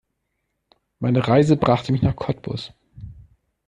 Meine Reise brachte mich nach Cottbus